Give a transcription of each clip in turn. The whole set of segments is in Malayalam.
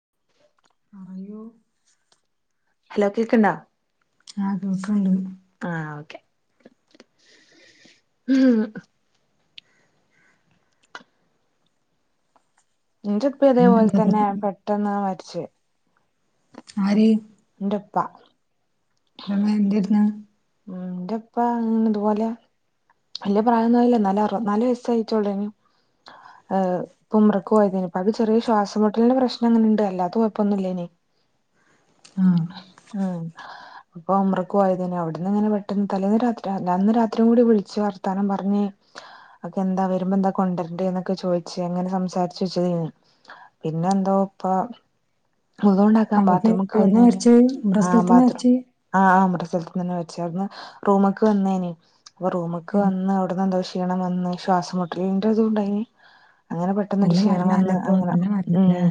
അ [inaudible] പറയൂ ഹലോ കേക്ക്ണ്ടാ ആഹ് കേൾക്ക്ണ്ട് ആഹ് ഓക്കെ ഇന്റെപ്പി അതേപോലെ പിന്നെന്താ തന്നെ പ്രത്യേക പെട്ടെന്നാ മരിച്ചേ ആര് ന്റപ്പ ന്റമ്മേ എന്തെര്ന്ന് ന്റെപ്പ ഇത്പോലെ വല്യ പ്രായം ഒന്നുംആയില്ല ന്നാലും അറുവത് നാല് വയസ്സയിറ്റോള്ളയ്നി പ്പ ഉംറക്ക് പോയതേയ്നി പ്പാക്ക് ചെറിയ ശ്വാസം മുട്ടലിന്റെ പ്രശ്നങ്ങനെണ്ട് അല്ലാത്ത കൊഴപ്പൊന്നും ഇല്ലേയ്നി ആഹ് ആഹ് അപ്പൊ ഉംറക്ക് പോയതയ്നി അവിടെ- ന്ന്ങ്ങനെ പെട്ടെന്ന് തലേന്ന് രാത്രി അന്ന് രാത്രിംകൂടി വിളിച്ച് വർത്താനം പറഞ് അൻക്കെന്താ വരുമ്പോ എന്താ കൊണ്ടുരണ്ടേ ന്നൊക്കെ ചോയ്ച്ച് അങ്ങനെ സംസാരിച്ചു വെച്ചതേയ്നി പിന്നെ എന്തോ ഇപ്പ വുളുണ്ടാ- ക്കാൻ അവിടുന്ന് ബാത്റൂമ്ക്ക് അവിടുന്ന് വന്നയിനി വരച്ച് ഇവിടെ ആഹ് സ്ഥലത്തുന്ന് ബാത്ത്റൂം വരച്ച് ആഹ് ആഹ് ഉംറ സ്ഥലത്ത് വെച്ച് അവ്ട്ന്ന് റൂമ്ക്ക് വന്നേനി റൂമ്ക്ക് വന്ന് അവ്ട്ന്ന് എന്തോ ക്ഷീണം വന്ന് ശ്വാസംമുട്ടലിന്റെതും ണ്ടായിനി അങ്ങനെ പെട്ടന്ന് ഒര് നല്ല ക്ഷീണം വന്ന് മരണല്ലപ്പൊ അങ്ങനെ നല്ല ഉം മരണല്ലേ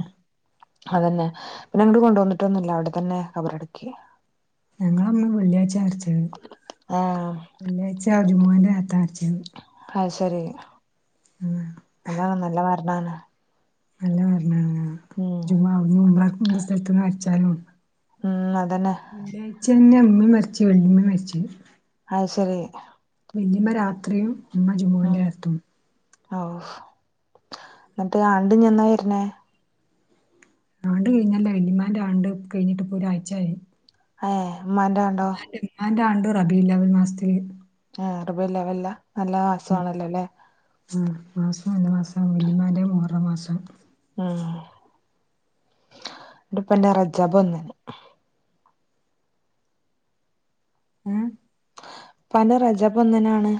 അതന്നെ പിന്നെ ഇങ്ങോട്ട് കൊണ്ട് വന്നിട്ടൊന്നുല്ല അവിടെ തന്നെ ഖബറടക്കി ഞങ്ങളമ്മ വെള്ളിയാഴ്ചയ മരിച്ചഹ് ആഹ് വെള്ളിയാഴ്ച ജുമഅന്റെ നേരത്ത മരിച്ചഹ് അഹ് ശരി ആഹ് അതാണ് നല്ല മരണാണ് നല്ല മരണ ആണ് ആഹ് ഉം ജുമുഅ അവിടുന്ന് ഉംറക്ക് മുമ്പ് സ്ഥലത്ത്ന്ന് മര്ച്ചാലും ഉം അതന്നെ വെള്ളിയാഴ്ചന്നെ മ്മീം മരിച്ച് വെല്ലിമ്മീം മര്ച്ച് അഹ് ശരി വല്ലിമ്മ രാത്രിം ഉമ്മ ജുമുന്റെ നേരത്തും ഓഹ് ന്നട്ട് ആണ്ട്ഞ്ഞെന്നാ വരുന്നേ ആണ്ട് കയ്ഞ്ഞല്ലോ വല്ലിമ്മാന്റെ ആണ്ട് കയ്ഞ്ഞ്ട്ട് പ്പൊ ഒരാഴയ്ച്ചായി ഏഹ് മ്മാന്റെ ആണ്ടോ മ്മാന്റെ ആണ്ട് റബിഉൽ അവ്വൽ മാസത്തില് ആഹ് റബീഉൽ അവ്വല്ലാ നല്ല മാസാണല്ലോ ല്ലേ ആ മാസം നല്ല മാസം വല്ലിമ്മാന്റെ മുഹ റ മാസം ഉം ന്റെ പ്പന്റെ റജബ് ഒന്നിന് ഉം ഇപ്പാന്റെ റജബ് ഒന്നിനാണ്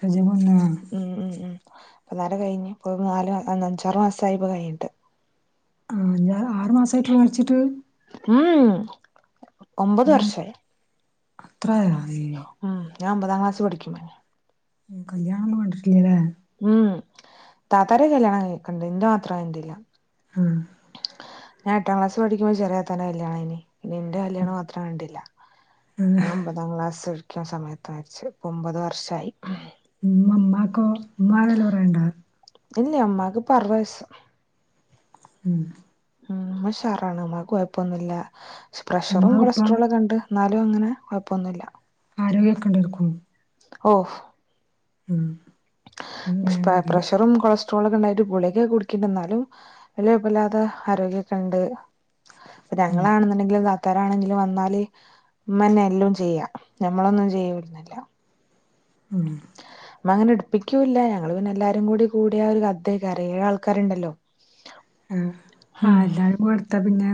റജബ് ഒന്നിനോ ഉം ഉം ഉം ഇപ്പന്നാരെ കഴിഞ് ഇപ്പോ നാല് അന്ന് അഞ്ചാറ് മാസായിപ്പ കഴിഞ്ഞിട്ട് ആഹ് അഞ്ചാറ് ആറ് മാസായിട്ടുളളൂ മരിച്ചിട്ട് ഉംഹും ഒമ്പത് വർഷായി അത്രയാേ ഉം ഞാൻ ഒമ്പതാം ക്ലാസി പഠിക്കുമ്പോയ്നി കല്യാണൊന്നും കണ്ടിട്ടില്ലലേ ഉംഹും താത്താരക്കെ കല്യാണം കഴ് ക്കണ്ട് ഇന്റെ മാത്രം കണ്ടില്ല ആഹ് ഞാൻ എട്ടാം ക്ലാസ് പഠിക്കുമ്പോ ചെറേ താത്താന്റെ കല്യാണം കഴിഞ്ഞി പിന്നെ ഇന്റെ കല്യാണം മാത്രം കണ്ടില്ല ഞാൻ ആഹ് ഒമ്പ ത്താംക്ലാസ്സ് പഠിക്ക്ണ സമയത്താ മര്ച്ചെ ഇപ്പ ഒമ്പത് വർഷായി ഇമ്മ മ്മാക്കോ ഇമ്മാക്ക് നല്ല പ്രായണ്ടാ ഇല്ലാ ഇമ്മാക്ക്പ്പ അർവ്വയ്സ്സ് ഉം ഉം ഇമ്മ ഉഷാറാണ് ഇമ്മാക്ക് കൊഴപ്പൊന്നുല്ല പ്രഷറും ഉമ്മാക്കിപ്പം കൊളസ്ട്രോളൊക്കെ ഇണ്ട് ഇന്നാലും അങ്ങനെ കൊഴപ്പൊന്നുല്ല ആരോഗ്യെക്കെ ഇണ്ടെര്‌ക്കും ഓഹ് ഉം പഷ് അത്ണ്ടായാ മതി പ്രെഷറും കൊളസ് ളൊക്കെ ഇണ്ടായിട്ട് ഗുളികക്കെ കുടിക്കിണ്ട് ഇന്നാലും വല്ല്യ ഒയ്പ്പല്ലാതെ ആരോഗ്യക്കെഇണ്ട് ഉം ഞങ്ങളാണ്ന്ന്ണ്ടെങ്കിലും താ ത്തരാണെങ്കിലും വന്നാല് ഇമ്മന്നെ എല്ലോം ചെയ്യാ ഞമ്മളൊന്നും ചെയ്യാെ ന്നില്ല ഉം ഇമ്മ അങ്ങനെ ഇട്പ്പിക്കൂല്ല ഞങ്ങള് പിന്നെ എല്ലാരും കൂടി കൂട്യാ ഒരു കഥേ ക്കാരം ഏഴാ ആൾക്കാര്ണ്ടല്ലോ ആഹ് ആഹ് എല്ലാരും കൊട്ത്താപിന്നെ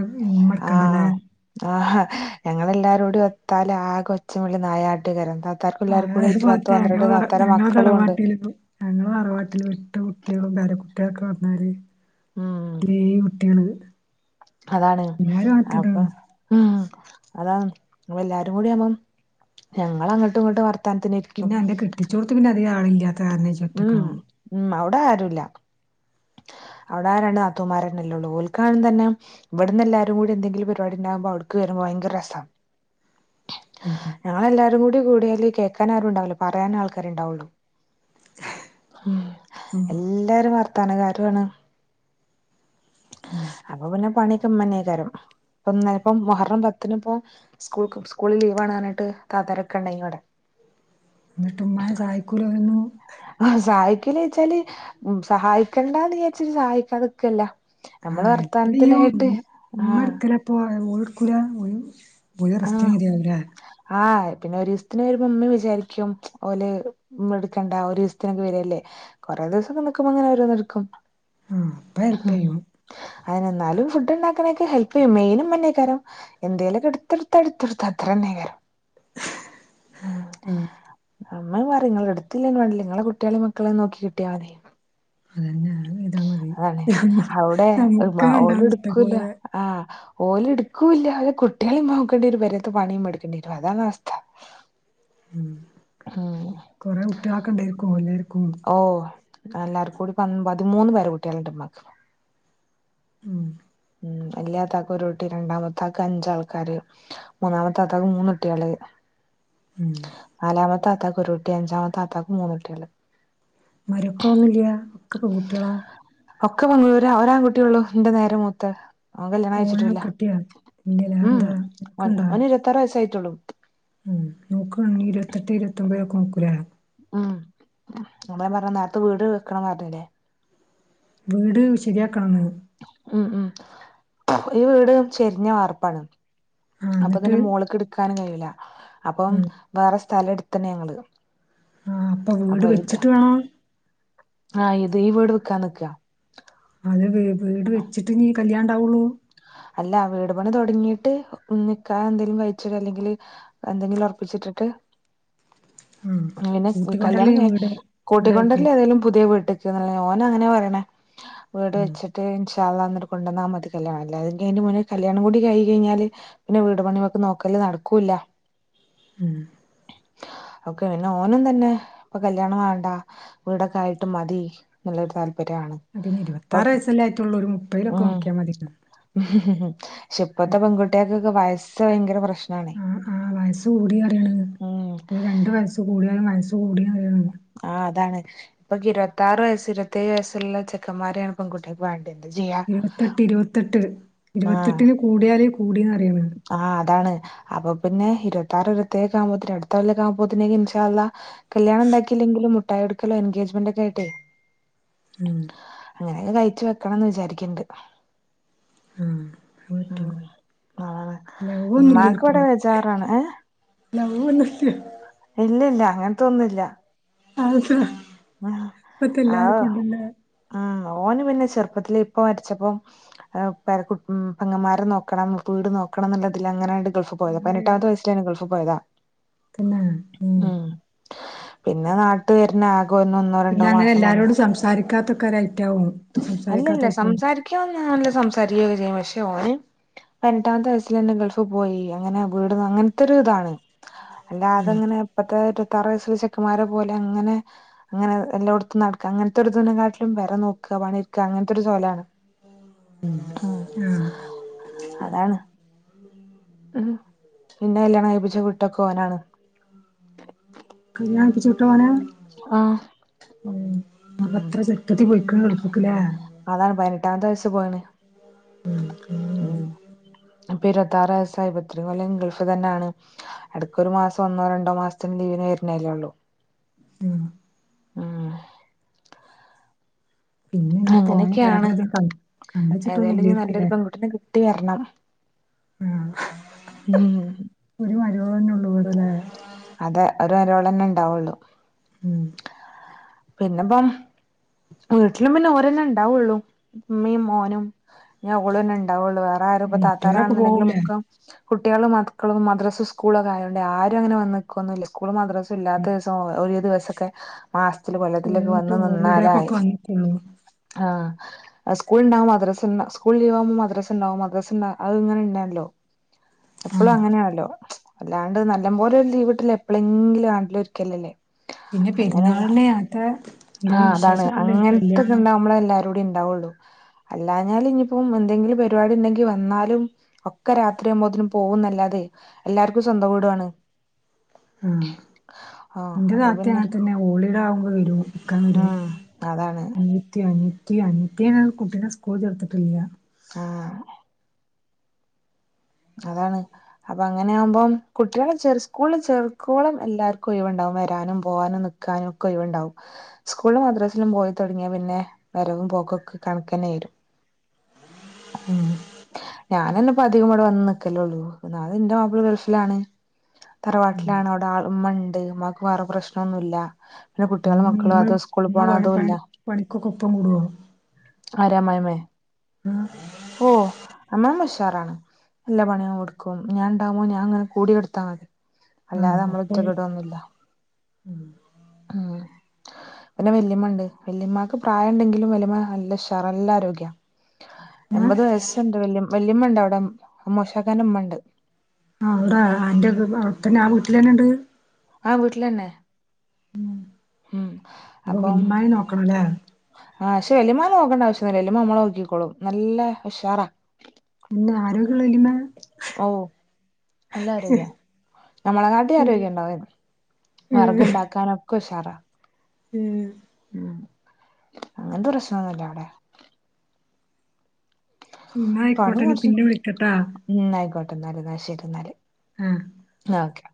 ആഹ് ആഹാ ഞങ്ങെല്ലാരോടിം ഒത്താല് ആകെ ഒച്ചിം പുളിം നായാട്ടൊയ്കാരം ത്ത ആഹ് [unintelligible] നങ്ങള മക്കളും ഉണ്ട് തറവാട്ടയില് ന്നു ഞങ്ങളെ തറവാട്ടില് വിട്ട കുട്ട്യാളും പേര കുട്ട്യാകളൊക്കെ വന്നാല് ഉം ഇത്രീം കു ട്ട്യാണത് അതാണ് അപ്പ ഉം അതാണ് ഞങ്ങളഎല്ലാരും കൂടി ആവുമ്പം ഞങ്ങള് അങ്ങോട്ടും ഇങ്ങോട്ടും വർ പിന്നെ അന്റെ കെട്ടിച്ചോട്ത്ത് പിന്നെ അധികാളില്ല ഉംഹും ഉം അവിടെ ആരുല്ല അവ്ടെ ആരണ്ട് നത്തൂമാരനല്ലേ ഒള്ളൂ ഓൽക്കാണുംതന്നെ ഇവട്ന്ന് എല്ലാരും കൂടി എന്തെങ്കിലും പരിപാടിണ്ടാകുമ്പോ അവ്ട്ക്ക് വരുമ്പോ ഭയങ്ക രസാ ഉം ഞങ്ങളെല്ലാരും കൂടി കൂട്യാല് കേക്കാനാരുണ്ടാവൂല പറയാനാ ആൾക്കാര് ഇണ്ടാവൊള്ളു ഉം എല്ലാരും വർത്താനക്കാരോണ് ഉം അപ്പ പിന്നെ പണിക്കെ ഇമ്മന്നെക്കാരം ഇപ്പ ഇന്നേപ്പം മൊഹറം പത്തിനും പോ സ്കൂൾക്ക് സ്കൂള് ലീവാണാർഞ്ഞ്ട്ട് താത്താരൊക്കെ ഇണ്ടെയ്നി ഇവടെ ഇങ്ങട്ട് ഉമ്മാനെ സഹായിക്കൂലെ ഓലൊന്നും ആഹ് സഹായിക്കല് വെച്ചാല് സഹായിക്കണ്ടാന്ന് വിചാരിച്ചിട്ട് സഹായിക്കാതെ നിക്കല്ല നമ്മള് ആഹ്‌ വർത്താനത്തിലായിട്ട് [unintelligible] ഇമ്മ ആഹ് ഇട്ക്കലാ ഇപ്പോഴും ഓള് ഇട്ക്കൂല ഓല് റെസ്റ്റ് ആഹ് [unintelligible] ലേ ആഹ് പിന്നെ ഒരു ദിവസത്തിന് വരുമ്പം ഇമ്മിം വിചാരിക്ക്യും ഓല് ഇമ്മ എട്ക്കണ്ട ഒരു ദിവസത്തിനൊക്കെ വരല്ലേ കോറേ ദിവസൊക്കെ നിൽക്കുമ്പോ ഇങ്ങനെ ഓരോന്ന് എട്ക്കും ആഹ്‌ ഉം അതന്നെ ഇന്നാലും ഫുഡ് ഉണ്ടാക്കാനൊക്കെ ഹെൽപ്പ് ചെയ്യും മെയിന് ഇമ്മ തന്നേ ആയിക്കാരം എന്തേലു ഒക്കെ എടുത്ത് കൊടുത്താൽ ഇടുത്തോടത്ത് അത്ര തന്നെയ്ക്കാരം ആഹ്‌ അമ്മ ഇങ്ങനെ പറയും ഇങ്ങള് ഇ ഇട്ത്തില്ലേങ്കിലും വേണ്ടില്ല ഇങ്ങളെ കുട്ട്യാളീം മക്കളീം നോക്കി കിട്ടിയാ മതി അതന്നെ അത് ചെയ്താ മതി അതാണ് അമ്മക്ക് ഉണ്ടാവും ഇഷ്ടം പോലെ ആഹ്‌ ഓല് ഇട്ക്കൂല്ല അവരെ കുട്ട്യേളീം നോക്കേണ്ടി വരും പെരേത്തെ പണിം എടുക്കേണ്ടി വരും അതാണ് അവസ്ഥ ഉം ആഹ് കൊറേ കുട്ട്യേള് ഒക്കെ ഉണ്ടായിരിക്കും എല്ലാര്ക്കും ഓഹ്‌ എല്ലാവർക്കും കൂടി പൻ പതിമൂന്ന് പേരകുട്ട്യാള് ണ്ട് ഇമ്മാക്ക് ഉം ഉം വല്ല്യ താത്താക്ക് ഒരുകുട്ടി രണ്ടാമത്തെ ആൾക്ക് അഞ്ചാൾക്കാര് മൂന്നാമത്തെ താത്താക്ക് മൂന്നുട്ട്യാള് ഉം നാലാമത്തെ താത്താക്ക് ഒരു കുട്ടി അഞ്ചാമത്തെ താത്താക്കും മൂന്നു കുട്ട്യാള് മരൊക്കളൊന്നും ഇല്ല്യ ഒക്കെ പെൺ കുട്ട്യാളാ ഒക്കെ പെൺ കു ഒരാ ഒരാൺ കുട്ട്യേള്ളു എന്റെ നേരെ മൂത്തത് ഓൻ കല്യാണം ഓനെ കഴിച്ചിട്ടുല്ല കെട്ടിയാ ഇല്ലല്ല ഉം അതെന്താ ഉം ഒൻ നോക്കണ്ടാ ഓന് ഇരുപത്താറ് വയസ്സായിട്ടൊള്ളൂ ഉം നോക്കണം ഇരുപത്തെട്ട് ഇരുപത്തൊമ്പതിലൊക്കെ നോക്കൂലെ ഉം അതാ പറഞ്ഞെ നേരത്തെ വീട് വെക്കണം പർഞ്ഞില്ലേ വീട് ശരിയാക്കണെന്ന് ഉം ഉം ഈ വീട് ചെരിഞ്ഞ വാർപ്പാണ് ആ അപ്പൊ എന്നിട്ട് തന്നെ മോള്ക്ക് ഇടുക്കാനും കഴിയൂല അപ്പം ഉം വേറെ സ്ഥലം ഇട്ത്ത്ണ് ഞങ്ങള് ആഹ്‌ അപ്പൊ വീട് വെച്ചിട്ട് വേണം ആഹ് ഇത് ഈ വീട് വിൽക്കാൻ നിക്കാ അത് വീ വീട് വെച്ചിട്ടെ ഇനി ഈ കല്യാണണ്ടാവുള്ളു അല്ല വീട് പണി തുടങ്ങിട്ട് നിക്കാഹ്‌ എന്തേലും കഴിച്ചിടാ അല്ലെങ്കില് എന്തെങ്കിലും ഉറപ്പിച്ച് ഇട്ടിട്ട് ഉം അങ്ങനേ കല്യാണം കൂട്ടിക്കൊണ്ടല്ലേ ഈ കഴിഞ്ഞ് വീട് കൂട്ടി കൊണ്ട്‌ വീടായിട്ട് വരല് ഏതായാലും പുതിയ വീട്ട് [unintelligible] ഓന് അങ്ങനെ പറയണേ വീട് ഉം വെച്ചിട്ട് ഇന്ഷാ അല്ലാഹ് ഇന്നട്ട് കൊണ്ടന്നാ മതി കല്യാണം അല്ലാതെ അയ്‌ന്റെ മുന്നേ കല്യാണം കൂടി കഴി കഴിഞ്ഞാല് പിന്നെ വീട് പണിമ്മക്ക് നോക്കല് നടക്കൂല്ല ഉം ഓക്കെ പിന്നെ ഓനും തന്നെ ഇപ്പൊ കല്യാണം വാണ്ട വീടൊക്കെ ആയിട്ട് മതി ഇന്ന്ള്ളോരു താല്പര്യാണ് അപ്പ ഇനി ഇരുപത്താറ് വയസ്സല്ലേ ആയിട്ടോള്ളു ഒരു മുപ്പതിലൊക്കെ ഉം നോക്ക്യാ മതിന്നാ പക്ഷെ ഇപ്പത്തെ പെൺകുട്ട്യേക്കൊക്കെ വയസ് ഭയങ്കര പ്രശ് ആഹ്‌ ആഹ്‌ വയസ് കൂടി പറിയണ് ഉം ഒരു രണ്ട് വയസ്സ് കൂടിയാലും വയസ്സ് കൂടി പറിയണ് ആഹ്‌ അതാണ് ഇപ്പൊ ഇരുപത്താറ് വയസ്സ് ഇരുപത്തേഴ് വയസ്സ് ഉള്ള ചെക്കൻ മാരേണ് പെൺകുട്ട്യാക്ക് വാണ്ടീയെന്തും ചെയ്യാ ഇരുപത്തെട്ട് ഇരുപത്തെട്ട് ഇരുപത്തെട്ട്ല് കൂടിയാല് കൂടീന്നറിയാണ് ആഹ്‌ അതാണ് അപ്പൊ പിന്നെ ഇരുപത്താറ് ഇരുപത്തേയ് ഒക്കെ ആവുമ്പോത്ത് അടുത്ത കെല്ലക്കെ ആവുമ്പോത്തിന് ഇൻശാഅല്ലാഹ്‌ കല്യാണം ഇണ്ടാക്കിയില്ലെങ്കിലും മുട്ടായോട്ക്കലും എൻഗേജ്മെന്റ് ഒക്കായിട്ടെ ഉം അങ്ങനെക്കെ കഴിച്ച് വെക്കണംന്ന് വിചാരിക്ക്ണ്ട് ആഹ് ഉം അഹ്പറ്റും അതാണ് ലൗ ഒന്നും ഇല്ല്യ ഇമ്മാക്ക് ഇവിടെ ഓര്ക്കൊന്നും ബേജാറാണ് ഏ ലൗ ഒന്നുല്ല്യ ഇല്ല്യല്ല്യ അങ്ങൻത്തൊന്നുല്യ [unintelligible] ഉം ഇപ്പത്തെ അയ് എല്ലാർക്കും ഉണ്ടല്ലേ ഉം ഓന് പിന്നെ ചെർപ്പത്തില് ഇപ്പ മര്ച്ചപ്പൊ. അഹ് പേരക്കുട്ടി ഉം പെങ്ങന്മാരെ നോക്കണം വീട് നോക്കണം എന്ന്ള്ളതിലങ്ങനാണ്ട് ഗൾഫ് പോയത അങ്ങനൊരു പതിനെട്ടാമത്തെ വയസ്സിലന്നെ ഗൾഫ് പോയതാ ഉം. പിന്നെ നാട്ട് വെര്നെ ആകെ ഒന്ന് ഒന്നൊ പിന്നെ അങ്ങനെ എല്ലാരോടും സംസാരിക്കാത്തക്കെ ഒര് ഐറ്റാ ഓൻ അല്ലല്ല സംസാരിക്ക ഓൻ നല്ല സംസാരിക്കയെക്കെ ചെയ്യും പക്ഷേ ഓന്. പതിനെട്ടാമത്തെ വയസ്സിലന്നെ ഗൾഫ് പോയി അങ്ങനെ വീട് നോ അങ്ങൻത്ത ഒര് ഇതാണ്. അല്ലാതെ ഇങ്ങനെ ഇപ്പത്തെ ഇരവത്താറ് വയസ്സ്ള്ളെ ചെക്കന്മാരെ പോലെ അങ്ങനെ അങ്ങനെ എല്ലോട്ത്തും നടക്ക അങ്ങൻത്തൊര് ഇത് നെ കാട്ടിലും പെര നോക്കാ പണിട്ക്കാ അങ്ങൻത്തൊരു സൊയ്ലാണ്. ഉം ആഹ് അതാണ്. ഉം ഇന്നെ കല്ല്യാണം കയ്പ്പിച്ച് വിട്ടൊക്കെ ഓനാണ്. കല്യാണം കഴിപ്പിച്ച് വിട്ടത് ഓനാ? ആഹ് ഉം ഉം അപ്പെത്ര ചെർപ്പത്തി പോയിക്ക്ണ് ഗൾഫ്ക്ക് ലേ? അതാണ് പതിനെട്ടാമത്തെ വയസ്സ് പോയീണ്. ഉം ഇപ്പൊ ഇരുവത്താറ് വയസ്സായ് ഇപ്പത്രിം കൊല്ലം ഗൾഫ് തന്നാണ്. എടക്കൊരു മാസം ഒന്നോ രണ്ടോ മാസത്തിന് ലീവിന് വെര്നല്ലേ ഒള്ളു. ഉം. പിന്നെ ഇനിയിപ്പോ ഓനെ അങ്ങനെക്കെയാണ് വേറെതേം ക കണ്ടച്ചിട്ടൊന്നും ഏതായാലും ഇഞ്ഞി ഇല്ലേര്ക്കുലേ നല്ലൊരു പെൺകുട്ടിനെ കിട്ടി വെര്ണം. ഉം ഒരു മരോളെന്നെ ഒള്ളു ഇവടലെ? അതെ ഒര് മരോളെന്നെ ഇണ്ടാവൊള്ളൂ. ഉം. പിന്നെപ്പം വീട്ട്ലും പിന്നെ ഓരന്നെ ഇണ്ടാവൊള്ളു ഇമ്മീം മോനും. പിന്നെ ഓളും തന്നെണ്ടാവൊള്ളൂ വേറെ ആരും ഇപ്പം ആഹ് മറ്റോലൊക്കെ താത്താരാണ്ന്ന് ഇണ്ടെങ്കിലും പോവൂലേ ഒക്കെ കുട്ട്യാളും മക്കളും മദ്രസും സ്കൂളൊക്കെ ആയോണ്ടെയ് ആരും അങ്ങനെ വന്ന് നിക്കൊന്നുംല്ലാ സ്കൂളും മദ്രാസും ഇല്ലാത്ത ദിവസ് തോ ഒര് ദിവസൊക്കെ മാസത്തില് കൊല്ലത്തിലൊക്കെ സ്കൂള്ട്ട് വന്ന് നിന്നാലായി. ഹോളിഡേക്കൊക്കെ വന്ന്ക്കുള്ളൂ ആഹ്. ആഹ് സ്കൂൾണ്ടവുമ്പം മദ്രസ്ണ്ടാവും സ്ക്കുള് ലീവാകുമ്പോ മദ്രസ്ണ്ടാവും മദ്രസ്ണ്ടാ അത്ങ്ങനെ ഇണ്ടല്ലോ എപ്പളും ആഹ് അങ്ങനേണല്ലോ എല്ലാണ്ട് നല്ല പോലെ ഒര് ലീവ് കിട്ടല് എപ്പളെങ്കിലും ആണ്ടിലൊര്ക്കലല്ലേ? പിന്നെ അങ്ങനെക്കെ പെരുന്നാളിന് അത്ത എന്തേലും ആഹ് അതാണ് വിശേഷൊക്കെ ഉണ്ടേൽ അങ്ങൻത്തെക്കെ കല്യാണം ഇണ്ടാവുമ്പളെ എല്ലാരൂടി ഇണ്ടാവൊള്ളു. അല്ലാഞ്ഞാല് ഇഞ്ഞിപ്പൊ എന്തെങ്കിലും പരിപാടിണ്ടെങ്കി വന്നാലും ഒക്കെ രാത്രിയാവുമ്പോത്തിന് പോവുംന്നല്ലാതെ എല്ലാർക്കും സ്വന്തം വീടുവാണ്. ആഹ് ആഹ് ഇന്റെ അപ്പൊ താത്തിം പിന്നെ അങ്ങൻ തന്നെയാ ഹോളിഡേ ആവുമ്പം വെരും. ക്കാൻ വെരും ഉം അതാണ് അൻയത്തി അൻയത്തി അൻയത്തിയാ കുട്ടിനെ സ്കൂൾ ചേർത്തിട്ടില്ലാ. ആഹ്. അതാണ്. അപ്പങ്ങനെയാവുമ്പം കുട്ട്യാളെ ചെർ സ്കൂള്ൽ ചേർക്കോളും എല്ലാര്ക്കും ഒഴിവ്ണ്ടാവും വെരാനും പോവാനും നിക്ക് ക്കാനൊക്കെ ഒയിവ്ണ്ടാവും. സ്കൂളിലും മദ്രസ്സിലും പോയി തൊടങ്ങിയാ പിന്നെ വരവും പോക്കോക്കെ കണക്കന്നെരും. ആഹ് ഞാനന്നെപ്പധികം ഇവടെ വന്ന് നിക്കലൊള്ളൂ ഒന്നാത് ഇന്റെ മാപ്പ്ളാ ഗൾഫിലാണ്. ഉം തറവാട്ടിലാണ് അവ്ടെ ആള് ഉമ്മണ്ട് ഉമ്മാക്ക് വേറെ പ്രശ്നോന്നുല്ലാ. പിന്നെ കുട്ട്യാളു മക്കളു അതുസ് ഉമ്മ പണി പണ് പണിക്കൊക്കെ ഒപ്പം കൂടുവോ? ആരാ അമ്മായ് അമ്മേ? ആഹ് ഓഹ് അമ്മായമ്മ ഉഷാറാണ് എല്ലാ പണിയും എട്ക്കും ഞാൻണ്ടാവുമ്പോ ഞാൻങ്ങനെ കൂടിയൊടുത്താ മതി അല്ലാതെ ആഹ് നമ്മളെ അപ്പൊ ഒറ്റക്കിടുവൊന്നുല്ലാ ഉം പിന്നെ വെല്ല്യുമ്മണ്ട് വെല്ല്യുമ്മാക്ക് പ്രായണ്ടെങ്കിലും വല്ല്യുമ്മ നല്ല ഉഷാറാ നല്ലാരോഗ്യാ. ഏ എൺപത് വയസ്സ്ണ്ട് വെല്ല്യും വെല്ല്യുമ്മണ്ടവടെ അം അമ്മോശാക്കാൻ്റ ഉമ്മണ്ട് ആഹ് ഇണ്ടാ അന്റെക്കെ അവിടെത്തന്നെ ആഹ് വീട്ടിലന്നെ ഇണ്ട് ആഹ് വീട്ടിലെന്നെ അപ്പൊ അപ്പം വെല്ല്യുമ്മാനേം നോക്കണല്ലേ? ആഹ് പക്ഷെ വെല്ല്യുമ്മാനെ നോക്കണ്ട ആവശ്യൊന്നുല്ലാ വെല്ല്യുമ്മ നമ്മളെ നോക്കിക്കോളും നല്ല ഉഷാറാ ന്നെ ആരോഗ്യള്ള വെല്ല്യുമ്മേ ഓഹ് നല്ല ആരോഗ്യാ ഞമ്മളെ കാട്ടി ഉം ആരോഗ്യണ്ടാവയിന് ഉം വെറക്ണ്ടാക്കാനൊക്കെ ഉഷാറാ ഉം ഉം അങ്ങനത്തെ പ്രശ്നോന്നുല്ലാ അവടെ ഇന്നായിക്കോട്ടെ പണി ഇനി കുറച്ച് പിന്നെ വിളിക്കട്ടാ ഉം ഇന്നായിക്കോട്ടെ ഇന്നാല് ഇന്നാ ശരിന്നാല് ആ ആഹ് ഓക്കെ